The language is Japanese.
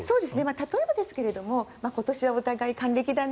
例えばですが今年はお互い還暦だね